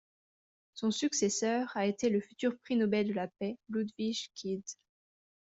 Son successeur a été le futur prix Nobel de la paix Ludwig Quidde.